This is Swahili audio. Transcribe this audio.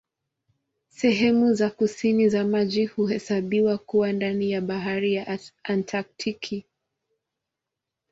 Sehemu za kusini za maji huhesabiwa kuwa ndani ya Bahari ya Antaktiki.